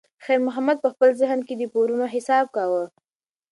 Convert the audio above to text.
خیر محمد په خپل ذهن کې د پورونو حساب کاوه.